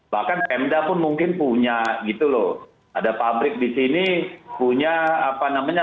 bahkan pemda pun mungkin punya gitu loh ada pabrik di sini punya apa namanya